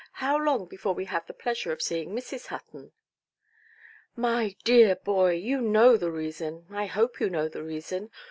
How long before we have the pleasure of seeing Mrs. Hutton"? "My dear boy, you know the reason; I hope you know the reason.